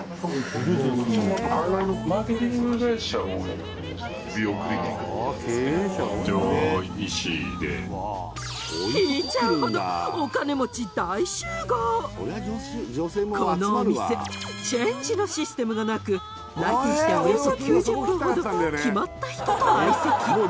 引いちゃうほどこのお店チェンジのシステムがなく来店しておよそ９０分ほど決まった人と相席。